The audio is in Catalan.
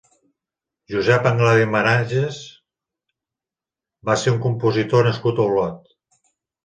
Josep Anglada i Maranges va ser un compositor nascut a Olot.